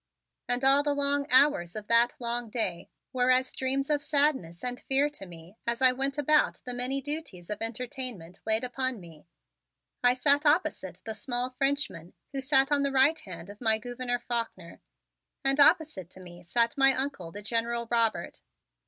And all the long hours of that long day were as dreams of sadness and fear to me as I went about the many duties of entertainment laid upon me. At luncheon at that Club of Old Hickory I sat opposite the small Frenchman who sat on the right hand of my Gouverneur Faulkner, and opposite to me sat my Uncle, the General Robert.